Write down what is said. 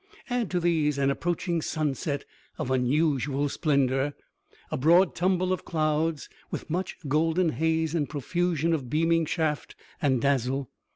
Add to these an approaching sunset of unusual splendor, a broad tumble of clouds, with much golden haze and profusion of beaming shaft and dazzle.